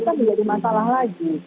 sekarang kita menjadi masalah lagi